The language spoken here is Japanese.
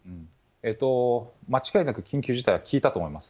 間違いなく緊急事態は効いたと思います。